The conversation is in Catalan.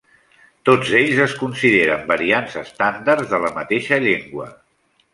Tots ells es consideren variants estàndards de la mateixa llengua.